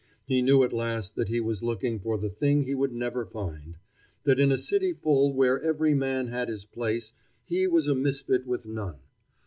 He knew at last that he was looking for the thing he would never find; that in a cityful where every man had his place he was a misfit with none.